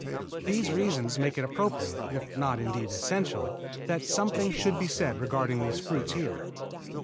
These reasons make it appropriate, if not indeed essential, that something should be said regarding these fruits here.